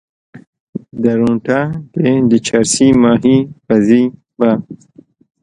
درونټه کې د چرسي ماهي پزي به